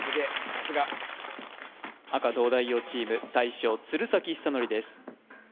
さすが赤東大王チーム大将・鶴崎修功です